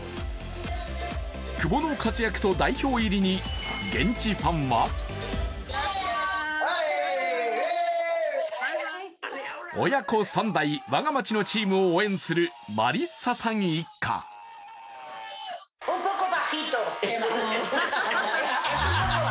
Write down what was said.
久保の活躍と代表入りに現地ファンは親子３代、我が町のチームを応援するマリッサさん親子。